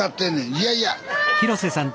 いやいや。